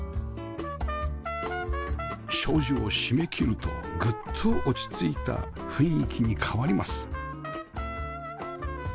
障子を閉めきるとぐっと落ち着いた雰囲気に変わります